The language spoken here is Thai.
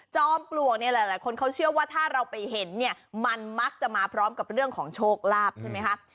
ปลวกเนี่ยหลายคนเขาเชื่อว่าถ้าเราไปเห็นเนี่ยมันมักจะมาพร้อมกับเรื่องของโชคลาภใช่ไหมคะ